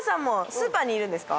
スーパーにいるんですか？